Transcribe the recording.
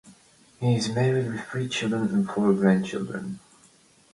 He is married with three children and four grandchildren.